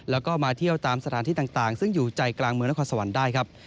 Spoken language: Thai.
แล้วก็มาเที่ยวตามสถานที่ต่างซึ่งอยู่ใจกลางเมืองนครสวรรค์ได้ครับ